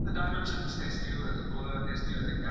که هدف روښانه نه وي نو هڅي بې ځایه ځي.